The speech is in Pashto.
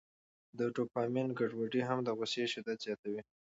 د ډوپامین ګډوډي هم د غوسې شدت زیاتوي.